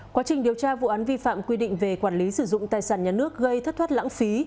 quá trình điều tra vụ án vi phạm quy định về quản lý sử dụng tài sản nhà nước gây thất thoát lãng phí